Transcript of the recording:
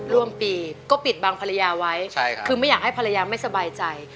ร่วมปีก็ปิดบังภรรยาไว้คือไม่อยากให้ภรรยาไม่สบายใจ